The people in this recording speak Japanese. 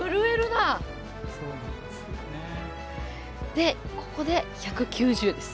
でここで１９０です。